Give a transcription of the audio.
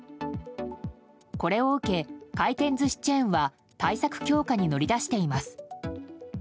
これを受け、回転寿司チェーンは対策強化に乗り出しています。